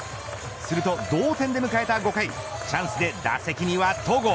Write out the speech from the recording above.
すると、同点で迎えた５回チャンスで打席には戸郷。